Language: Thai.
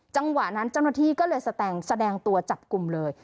จังหวะนั้นเจ้าหน้าที่ก็เลยแสดงตัวจับกลุ่มเลย